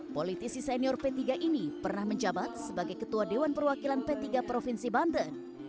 politisi senior p tiga ini pernah menjabat sebagai ketua dewan perwakilan p tiga provinsi banten